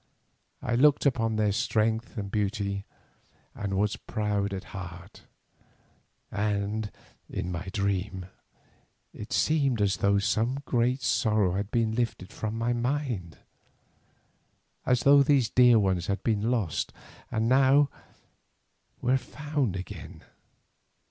I looked upon their strength and beauty, and was proud at heart, and, in my dream, it seemed as though some great sorrow had been lifted from my mind; as though these dear ones had been lost and now were found again.